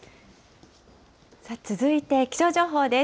さあ、続いて気象情報です。